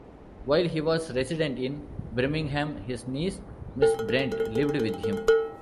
While he was resident in Birmingham his niece, Miss Brent, lived with him.